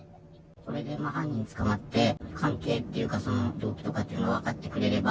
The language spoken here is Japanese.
これで犯人捕まって、関係っていうか、その動機とかっていうのが分かってくれれば。